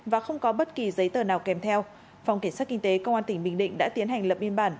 và không có bất kỳ giấy tờ nào kèm theo phòng cảnh sát kinh tế công an tỉnh bình định đã tiến hành lập biên bản